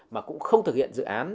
mà cũng không thực hiện dự án